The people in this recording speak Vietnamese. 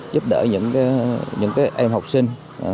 giúp đỡ những em học sinh